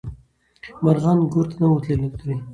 مارغان ګور ته نه وو الوتلي.